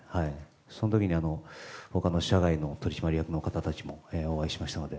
その時に他の社外の取締役の方たちもお会いしましたので。